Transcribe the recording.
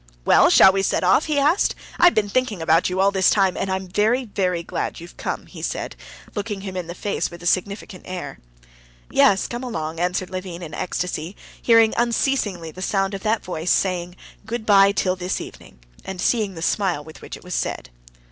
"Well, shall we set off?" he asked. "I've been thinking about you all this time, and I'm very, very glad you've come," he said, looking him in the face with a significant air. "Yes, come along," answered Levin in ecstasy, hearing unceasingly the sound of that voice saying, "Good bye till this evening," and seeing the smile with which it was said.